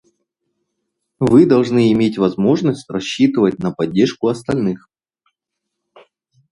Все должны иметь возможность рассчитывать на поддержку остальных.